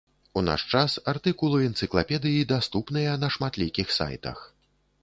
У наш час артыкулы энцыклапедыі даступныя на шматлікіх сайтах.